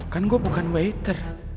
kan gue bukan pembantu